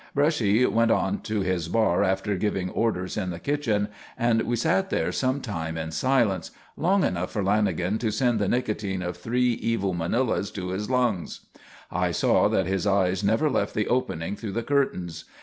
Bresci went on to his bar after giving orders at the kitchen, and we sat there some time in silence; long enough for Lanagan to send the nicotine of three evil Manilas to his lungs. I saw that his eyes never left the opening through the curtains.